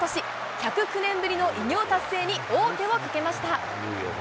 １０９年ぶりの偉業達成に王手をかけました。